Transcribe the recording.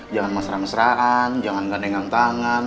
jangan masra masraan jangan gandengan tangan